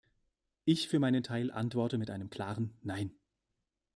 Ich für meinen Teil antworte mit einem klaren Nein.